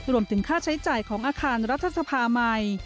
รวมถึงค่าใช้จ่ายของอาคารรัฐสภาใหม่